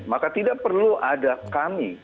maka tidak perlu ada kami